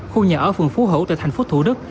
khu nhà ở phường phú hữu tại thành phố thủ đức